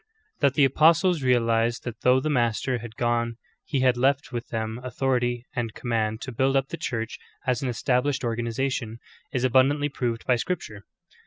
17. That the apostles realized that though the ]^Iaster had gone He had left with them authority and command to build up the Church as an established organization, is abun dantly proved by scripture.